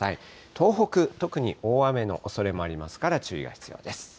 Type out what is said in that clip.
東北、特に大雨のおそれもありますから、注意が必要です。